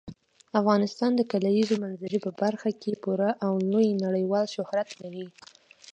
افغانستان د کلیزو منظره په برخه کې پوره او لوی نړیوال شهرت لري.